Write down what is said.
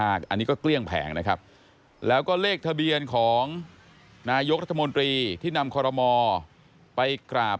อันนี้ก็เกลี้ยงแผงนะครับแล้วก็เลขทะเบียนของนายกรัฐมนตรีที่นำคอรมอไปกราบ